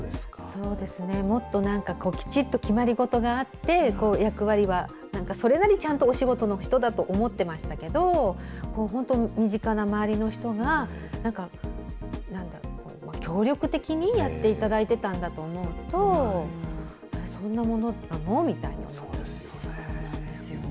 そうですね、もっとなんか、きちっと決まりごとがあって、役割は、なんかそれなりにちゃんとお仕事の人だと思ってましたけど、本当、身近な周りの人が、なんか、なんだろう、協力的にやっていただいてたんだと思うと、そんなものなの？みたいに思います。